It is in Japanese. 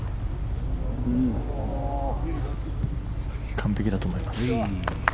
完璧だと思います。